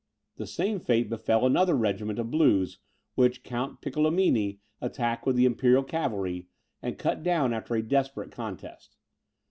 The same fate befel another regiment of Blues, which Count Piccolomini attacked with the imperial cavalry, and cut down after a desperate contest.